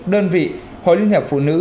đơn vị hội liên hiệp phụ nữ